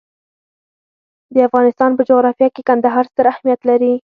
د افغانستان په جغرافیه کې کندهار ستر اهمیت لري.